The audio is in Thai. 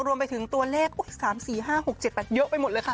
รวมไปถึงตัวเลข๓๔๕๖๗๘เยอะไปหมดเลยค่ะ